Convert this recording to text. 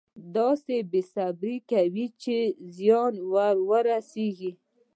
داسې بې صبري کوي چې زیان ورسېږي.